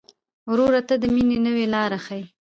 ورور ته د مینې نوې لاره ښيي.